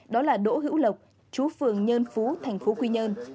đó là đỗ hữu lộc chú phường nhân phú thành phố quy nhơn